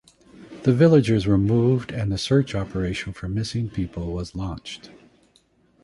The villagers were moved and the search operation for missing people was launched.